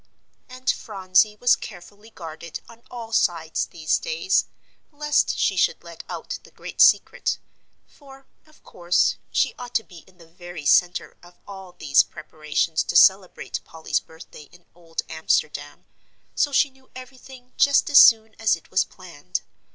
And Phronsie was carefully guarded on all sides these days, lest she should let out the great secret, for, of course, she ought to be in the very centre of all these preparations to celebrate Polly's birthday in Old Amsterdam, so she knew everything just as soon as it was planned.